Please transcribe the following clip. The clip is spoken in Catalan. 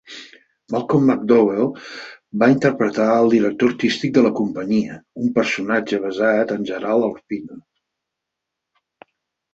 Malcolm McDowell va interpretar el director artístic de la companyia, un personatge basat en Gerald Arpino.